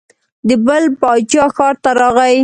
د بل باچا ښار ته راغی.